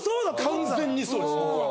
完全にそうです僕は。